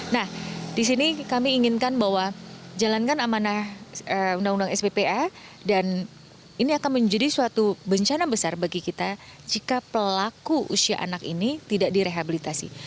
nah di sini kami inginkan bahwa jalankan amanah undang undang sppa dan ini akan menjadi suatu bencana besar bagi kita jika pelaku usia anak ini tidak direhabilitasi